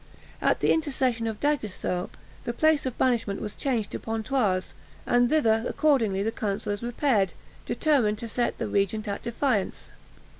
At the intercession of D'Aguesseau, the place of banishment was changed to Pontoise, and thither accordingly the councillors repaired, determined to set the regent at defiance.